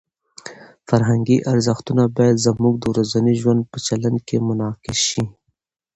فرهنګي ارزښتونه باید زموږ د ورځني ژوند په چلند کې منعکس شي.